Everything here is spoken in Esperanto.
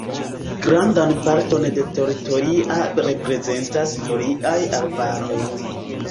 Grandan parton de teritoria reprezentas foliaj arbaroj.